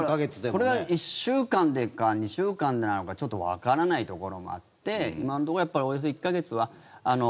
これも、だから１週間とか２週間なのかちょっとわからないところもあって今のところおよそ１か月は。